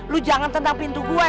lu jangan tentang pintu gue